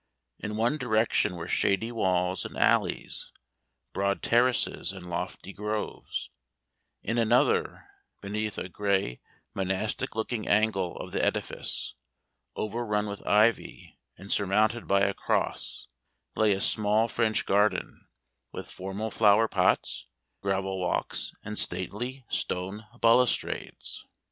In one direction were shady walls and alleys, broad terraces and lofty groves; in another, beneath a gray monastic looking angle of the edifice, overrun with ivy and surmounted by a cross, lay a small French garden, with formal flower pots, gravel walks, and stately stone balustrades.